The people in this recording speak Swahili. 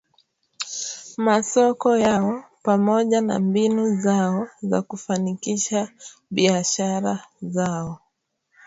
masoko yao pamoja na mbinu zao za kufanikisha biashara zao